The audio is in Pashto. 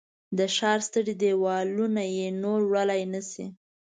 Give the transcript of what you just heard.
د ښار ستړي دیوالونه یې نور وړلای نه شي